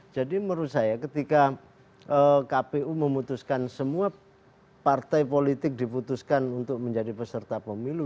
jadi menurut saya ketika kpu memutuskan semua partai politik diputuskan untuk menjadi peserta pemilu